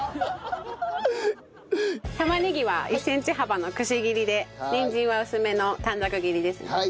玉ねぎは１センチ幅のくし切りでにんじんは薄めの短冊切りですね。